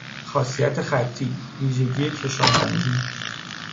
خاصیت خطی، ویژگی کشامندی